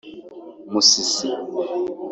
Musisi